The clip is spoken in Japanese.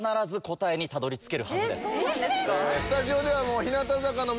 スタジオではもう。